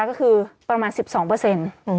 ก็คือประมาณ๑๒